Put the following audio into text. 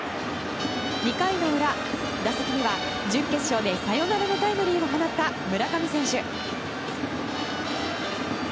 ２回の裏、打席には準決勝でサヨナラタイムリーを放った村上選手。